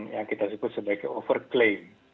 yang kita sebut sebagai over claim